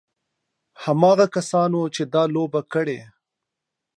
هماغه کسانو چې دا لوبه کړې.